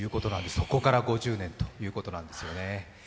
そこから５０年ということなんですよね。